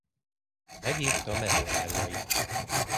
Megírta memoárjait.